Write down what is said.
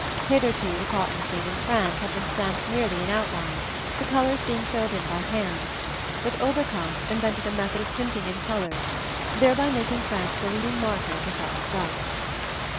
Hitherto the cottons made in France had been stamped merely in outline, the colors being filled in by hand; but Oberkampf invented a method of printing in colors, thereby making France the leading market for such stuffs.